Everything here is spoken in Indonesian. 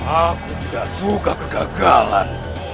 aku tidak suka kegagalan